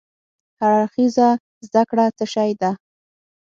هر اړخيزه زده کړه څه شی ده؟